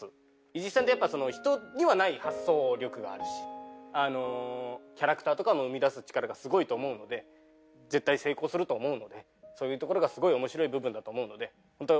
伊地知さんってやっぱ人にはない発想力があるしキャラクターとかの生み出す力がすごいと思うので絶対成功すると思うのでそういうところがすごい面白い部分だと思うので本当